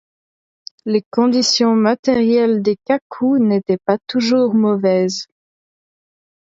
Les conditions matérielles des cacous n'étaient pas toujours mauvaises.